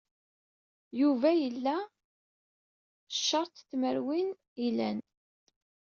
Yuba yella careṭ tmeṛwin ilan.